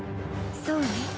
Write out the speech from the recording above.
そうね。